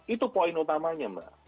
itu poin utamanya mbak